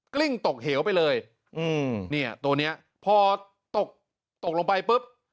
ลิ้งตกเหวไปเลยอืมเนี่ยตัวเนี้ยพอตกตกลงไปปุ๊บ